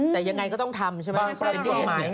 แต่ยังไงก็ต้องทำใช่ไหม